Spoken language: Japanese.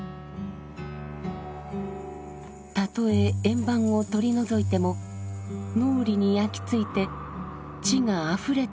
たとえ円盤を取り除いても脳裏に焼き付いて地があふれているように感じるといいます。